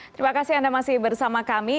terima kasih anda masih bersama kami